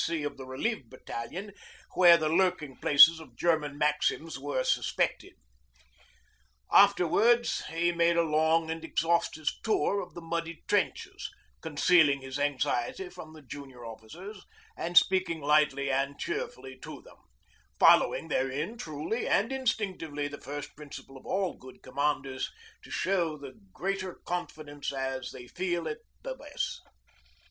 C. of the relieved battalion where the lurking places of German maxims were suspected. Afterwards he made a long and exhaustive tour of the muddy trenches, concealing his anxiety from the junior officers, and speaking lightly and cheerfully to them following therein truly and instinctively the first principle of all good commanders to show the greater confidence as they feel it the less.